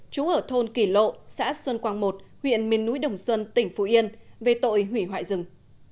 chú ở thôn kỳ lộ xã xuân quang một huyện miền núi đồng xuân tỉnh phú yên về tội hủy hoại rừng